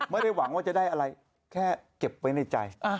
ไม่ได้หวังว่าจะได้อะไรแค่เก็บไว้ในใจ